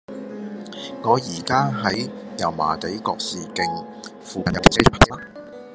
我依家喺油麻地覺士徑，附近有停車場泊車嗎